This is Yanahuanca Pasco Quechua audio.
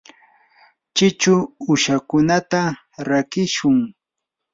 chichu uushakunata rakishun.